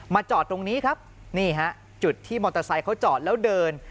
จอดตรงนี้ครับนี่ฮะจุดที่มอเตอร์ไซค์เขาจอดแล้วเดิน